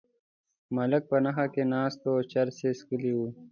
ملک په نشه کې ناست و چرس یې څکلي وو.